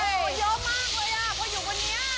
เยอะมากเลยเพราะอยู่วันนี้